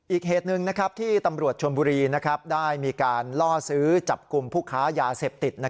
อีกเหตุหนึ่งที่ตำรวจชนบุรีได้มีการล่อซื้อจับกลุ่มผู้ค้ายาเสพติด